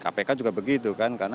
kpk juga begitu kan